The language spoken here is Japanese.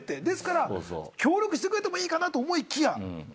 ですから協力してくれてもいいかなと思いきや。